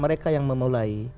mereka yang memulai